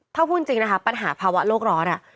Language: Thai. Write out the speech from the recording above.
ถ้าพูดจริงปัญหาภาวะโรคร้อน